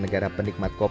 yang mana aja duas pukul